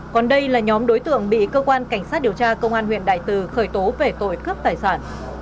còn đây là nhóm đối tượng bị cơ quan cảnh sát điều tra công an huyện đại từ khởi tố về tội cướp tài sản